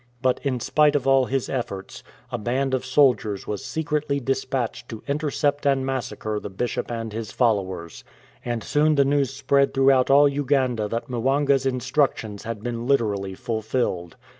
But in spite of all his efforts, a band of soldiers was secretly dispatched to intercept and massacre the Bishop and his followers ; and soon the news spread throughout all Uganda that Mwanga's instructions had been literally fulfilled.